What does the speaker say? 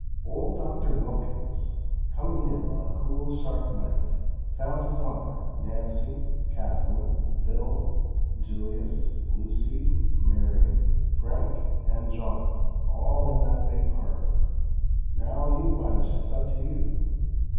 Old Doctor Wilkins, coming in on a cool, sharp night, found His Honor, Nancy, Kathlyn, Bill, Julius, Lucy, Mary, Frank and John all in that big parlor. "Now, you bunch, it's up to you.